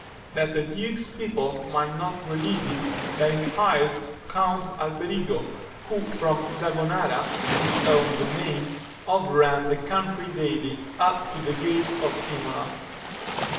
That the duke's people might not relieve it, they hired Count Alberigo, who from Zagonara, his own domain, overran the country daily, up to the gates of Imola.